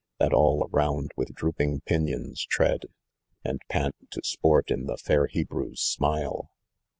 That al] around with drooping pinions tread, And pant to sport in the fair Hebrew's smile.